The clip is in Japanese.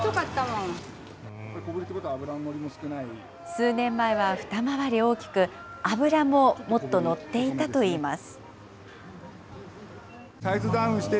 数年前は二回り大きく、脂ももっと乗っていたといいます。